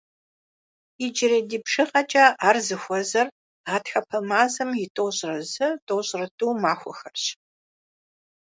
Иджырей ди бжыгъэкӀэ ар зыхуэзэр гъатхэпэ мазэм и тӏощӏрэ зы-тӏощӏрэ тӏу махуэхэрщ.